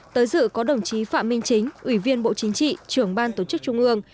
tới dự có đồng chí phạm minh chính ủy viên bộ chính trị trưởng ban tổ chức trung ương